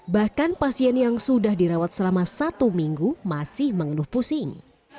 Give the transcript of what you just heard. bahkan pasien yang sudah dirawat selama satu minggu masih mengeluh pusing